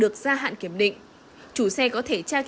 khi ra hạn đăng kiểm thì có thể ra hạn ở app